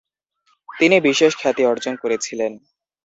তিনি বিশেষ খ্যাতি অর্জন করেছিলেন।